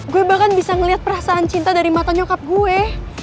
gue bahkan bisa melihat perasaan cinta dari mata nyokap gue